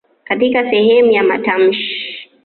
Katika sehemu ya matamshi.